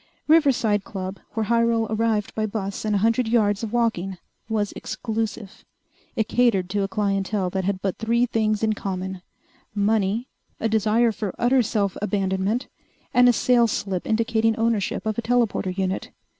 Riverside Club, where Hyrel arrived by bus and a hundred yards of walking, was exclusive. It catered to a clientele that had but three things in common: money, a desire for utter self abandonment, and a sales slip indicating ownership of a telporter suit.